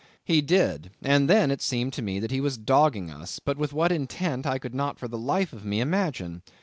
He did; and then it seemed to me that he was dogging us, but with what intent I could not for the life of me imagine.